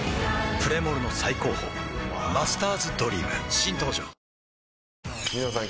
プレモルの最高峰「マスターズドリーム」新登場ワオニノさん